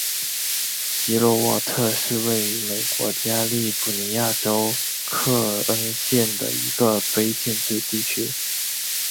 基洛沃特是位于美国加利福尼亚州克恩县的一个非建制地区。